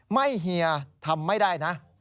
เฮียทำไม่ได้นะ